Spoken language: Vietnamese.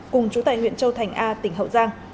cùng chú tài huyện châu thành a tỉnh hậu giang